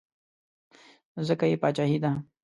ځکه یې باچایي ده.